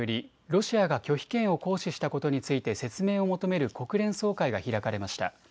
ロシアが拒否権を行使したことについて説明を求める国連総会が開かれました。